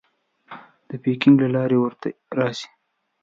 د پیکنګ له لارې ورته راسې.